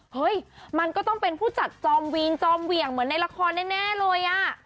เฮ้ยมันก็ต้องเป็นผู้จัดจอมวีนจอมเหวี่ยงเหมือนในละครแน่เลยอ่ะ